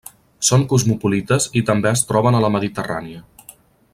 Són cosmopolites i també es troben a la Mediterrània.